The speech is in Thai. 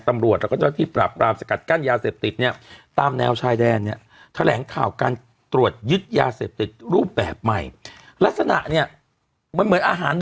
ตำรวจแล้วก็เจ้าหน้าที่ปรับปราม